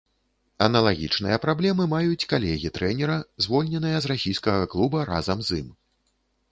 Аналагічныя праблемы маюць калегі трэнера, звольненыя з расійскага клуба разам з ім.